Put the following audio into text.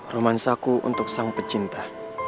romansaku untuk sang pecinta